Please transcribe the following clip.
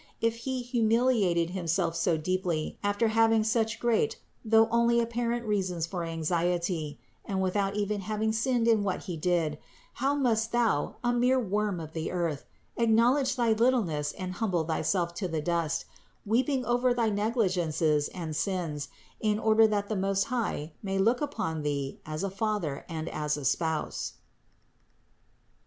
If he humiliated himself so deeply after having had such great, though only apparent rea sons for anxiety and without even having sinned in what he did, how must thou, a mere worm of the earth, acknowledge thy littleness and humble thyself to the dust, weeping over thy negligences and sins, in order that the Most High may look upon thee as a Father and as a Spouse.